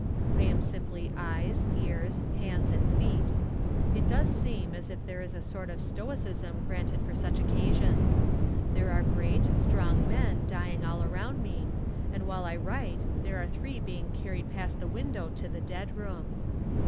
I am simply eyes, ears, hands and feet. It does seem as if there is a sort of stoicism granted for such occasions. There are great, strong men dying all around me, and while I write there are three being carried past the window to the dead room.